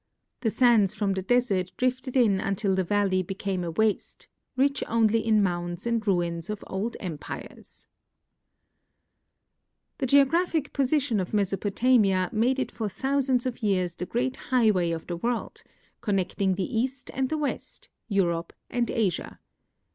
The sands from the desert THE EFFECTS OF GEOGRAPHIC ENVlROXMEyT 175 drifted in until the valle} becames a waste, rich only in mounds and ruins of old em})ires. The geographic position of Mesopotamia made it for thousands of 3'ears the great higlnvay of the world— connecting the east and the west, Euroi)e and Asia.